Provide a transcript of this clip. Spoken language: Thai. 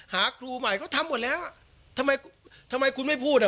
หาครูใหม่เขาทำหมดแล้วอ่ะทำไมทำไมคุณไม่พูดอ่ะ